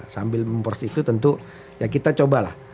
sambil memproses itu tentu ya kita cobalah